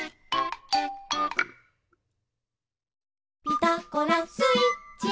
「ピタゴラスイッチ」